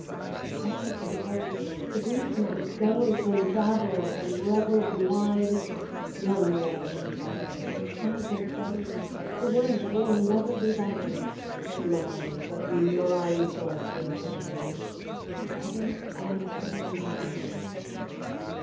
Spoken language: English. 5. I said to the rose, 'The brief night goes In babble and revel and wine. young lord lover, what sighs are those, For one that will never be thine? But mine, but mine,' so I sware to the rose, 'For ever and ever, mine.'